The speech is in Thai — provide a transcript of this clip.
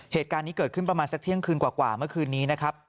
เหตุการณ์นี้เกิดขึ้นประมาณสักเที่ยงคืนกว่าเมื่อคืนนี้นะครับ